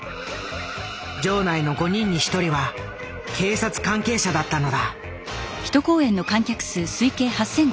場内の５人に１人は警察関係者だったのだ。